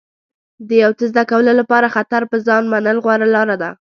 د یو څه زده کولو لپاره خطر په ځان منل غوره لاره ده.